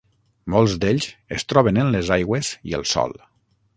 Molts d'ells es troben en les aigües i el sòl.